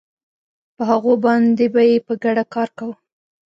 په هغوی باندې به یې په ګډه کار کاوه